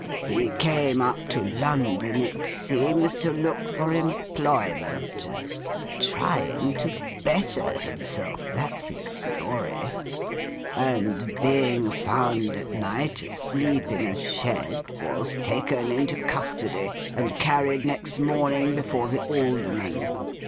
He came up to London, it seems, to look for employment (trying to better himself—that's his story), and being found at night asleep in a shed, was taken into custody, and carried next morning before the Alderman.